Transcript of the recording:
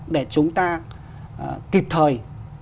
để chúng ta kịp thời